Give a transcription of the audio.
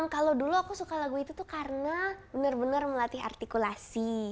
kalau dulu aku suka lagu itu tuh karena bener bener melatih artikulasi